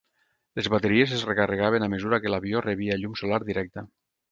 Les bateries es recarregaven a mesura que l"avió rebia llum solar directa.